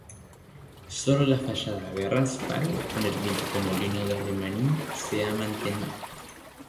Sólo la fachada de Raspall con el mítico molino de Alemany se ha mantenido.